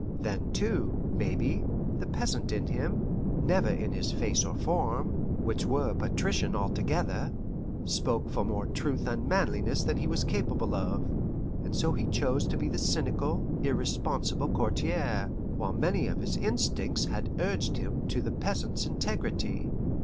Then, too, maybe, the peasant in him never in his face or form, which were patrician altogether spoke for more truth and manliness than he was capable of, and so he chose to be the cynical, irresponsible courtier, while many of his instincts had urged him to the peasant's integrity.